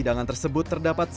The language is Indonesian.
yang tak sesuai kenyataan